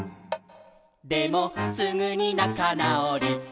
「でもすぐに仲なおり」